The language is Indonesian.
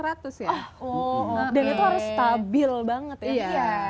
dan itu harus stabil banget ya